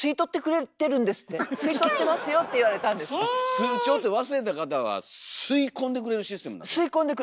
通帳って忘れた方は吸い込んでくれるシステムなんですか？